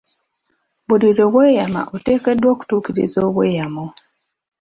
Buli lwe weyama oteekeddwa okutuukiriza obweyamo.